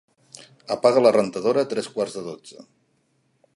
Apaga la rentadora a tres quarts de dotze.